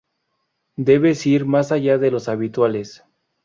Debes ir más allá de los habituales